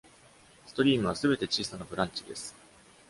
ストリームはすべて小さなブランチです。